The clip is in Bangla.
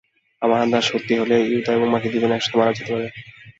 আমার আন্দাজ সত্যি হলে, ইউতা এবং মাকি দুজনেই একসাথে মারা যেতে পারে।